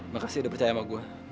makasih udah percaya sama gue